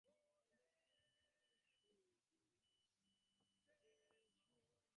This required the use of sonar scanning equipment and a large-scale re-entry cone.